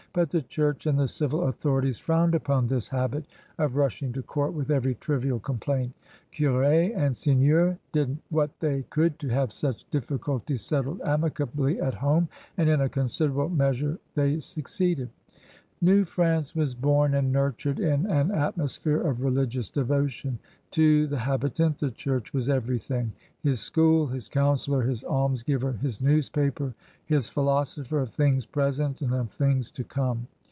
But the Church and the civil authorities frowned upon this habit of rushing to court with every trivial complaint. Curia and seigneurs did what they could to have such difficulties settled amicably HOW THE PEOPLE LIVED 9St5 at home, and in a considerable measure they succeeded. New France was bom and nurtured in an atmosphere of religious devotion. To the habi tant the Church was everything — his school, his counselor, his almsgiver, his newspaper, his philosopher of things present and of things to come.